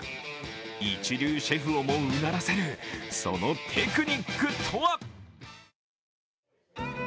一流シェフをもうならせるそのテクニックとは？